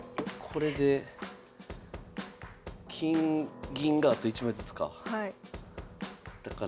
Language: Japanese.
これで金銀があと１枚ずつか。